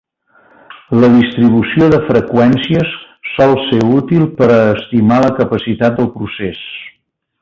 La distribució de freqüències sol ser útil per a estimar la capacitat de procés.